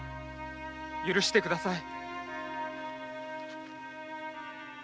許してください。